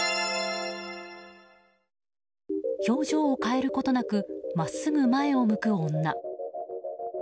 表情を変えることなく真っすぐ前を向く女。